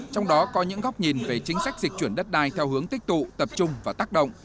trong đó có những góc nhìn về chính sách dịch chuyển đất đai theo hướng tích tụ tập trung và tác động